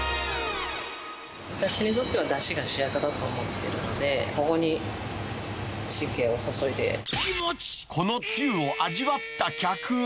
私にとってはだしが主役だと思ってるので、このつゆを味わった客は。